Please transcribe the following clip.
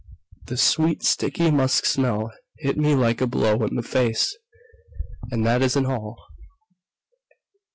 "The sweet, sticky musk smell hit me like a blow in the face. "And that isn't all!"